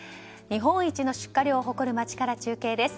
日本一の出荷量を誇る街から中継です。